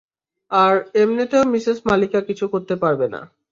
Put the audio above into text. আর এমনেতেও মিসেস মালিকা কিছু করতে পারবে না।